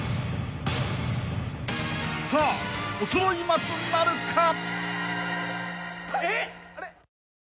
［さあおそろい松なるか？］